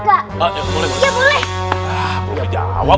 amalia boleh berangkat gak